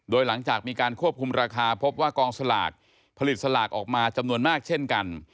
โดยหลังจากมีการควบคุมราคาพบว่ากองสลากผลิตสลากออกมาจำนวนมากเช่นกัน